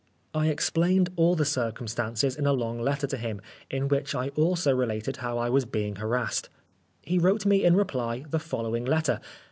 I explained all the circumstances in a long letter to him, in which I also related how I was being harassed. He wrote me in reply the following letter.